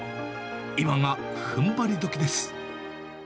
今がふんばりどきです。